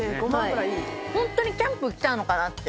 ホントにキャンプ来たのかなって。